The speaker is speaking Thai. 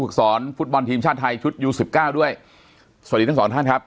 ฝึกสอนฟุตบอลทีมชาติไทยชุดยู๑๙ด้วยสวัสดีทั้ง๒ท่านครับ